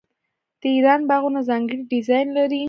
د ایران باغونه ځانګړی ډیزاین لري.